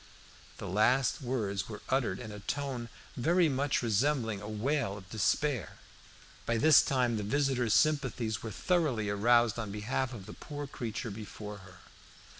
The last words were uttered in a tone very much resembling a wail of despair. By this time the visitor's sympathies were thoroughly aroused on behalf of the poor broken creature before her.